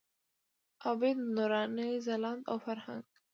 عابد، نوراني، ځلاند او فرهنګ.